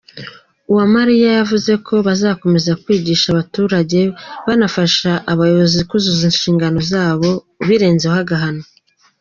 Uwamariya yavuze ko bazakomeza kwigisha abaturage banafasha abayobozi kuzuza ishingano zabo, ubirenzeho agahanwa.